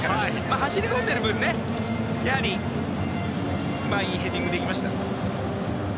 走り込んでいる分、やはりいいヘディングできましたね。